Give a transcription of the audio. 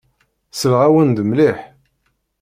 Selleɣ-awen-d mliḥ.